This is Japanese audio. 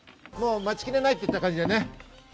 待ちきれないっていった感じでね。